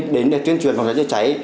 đến để tuyên truyền phòng cháy cháy cháy